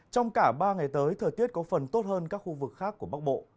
trong cả ba ngày tới thời tiết có phần tốt hơn các khu vực khác của bắc bộ